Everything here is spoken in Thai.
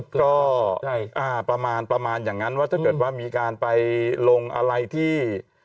ก็ประมาณประมาณอย่างนั้นว่าถ้าเกิดว่ามีการไปลงอะไรที่